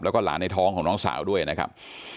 แล้วก็หลานในท้องของน้องสาวด้วยนะครับ